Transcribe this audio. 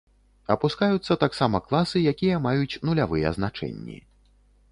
Апускаюцца таксама класы, якія маюць нулявыя значэнні.